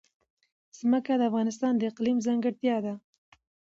ځمکه د افغانستان د اقلیم ځانګړتیا ده.